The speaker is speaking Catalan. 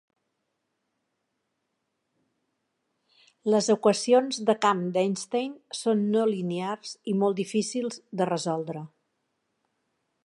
Les equacions de camp d'Einstein són no linears i molt difícils de resoldre.